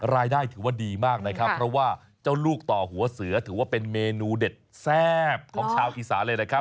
รายได้ถือว่าดีมากนะครับเพราะว่าเจ้าลูกต่อหัวเสือถือว่าเป็นเมนูเด็ดแซ่บของชาวอีสานเลยนะครับ